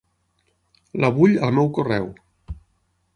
La vull al meu correu.